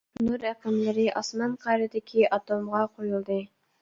نۇر ئېقىملىرى ئاسمان قەرىدىكى ئاتومغا قويۇلدى.